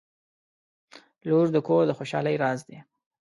• لور د کور د خوشحالۍ راز دی.